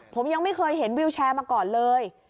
ผมยังไม่เคยเห็นวิวแชร์มาก่อนเลย